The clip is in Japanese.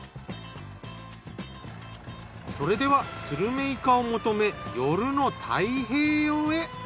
それではスルメイカを求め夜の太平洋へ。